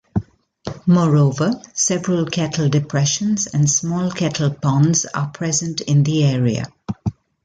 Moreover, several kettle depressions and small kettle ponds are present in the area.